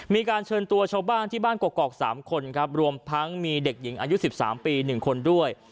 มีการเชิญตัวชาวบ้านที่บ้านกรอก๓คนครับรวมทั้งมีเด็กหญิงอายุ๑๓ปี๑คนด้วย